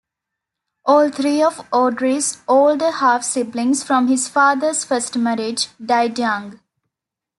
All three of Awdry's older half-siblings from his father's first marriage died young.